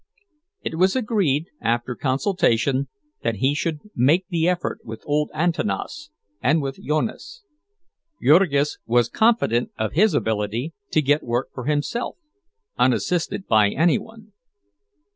It was agreed, after consultation, that he should make the effort with old Antanas and with Jonas. Jurgis was confident of his ability to get work for himself, unassisted by any one.